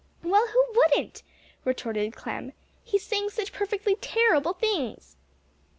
"Well, who wouldn't?" retorted Clem, "he's saying such perfectly terrible things."